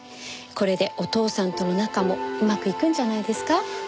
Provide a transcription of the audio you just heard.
これでお父さんとの仲もうまくいくんじゃないですか？